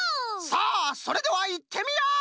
さあそれではいってみよう！